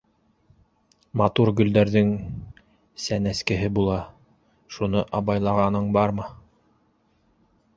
Матур гөлдәрҙең сәнескеһе була... шуны абайлағаның бармы?